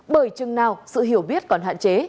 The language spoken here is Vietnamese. bởi chừng nào sự hiểu biết còn hạn chế